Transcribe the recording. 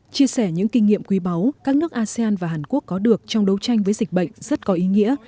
chia sẻ những kinh nghiệm quý báu các nước asean và hàn quốc có được trong đấu tranh với dịch bệnh rất có ý nghĩa